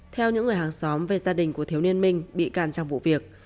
theo những người hàng xóm về gia đình của thiếu niên minh bị can trong vụ việc